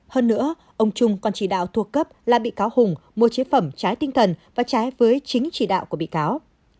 hơn nữa ông trung còn chỉ đạo thuộc cấp là bị cáo hùng mua chế phẩm trái tinh thần và trái với chính chỉ đạo của bị cáo